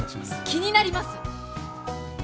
気になります！